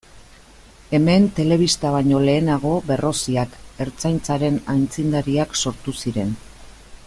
Hemen telebista baino lehenago Berroziak Ertzaintzaren aitzindariak sortu ziren.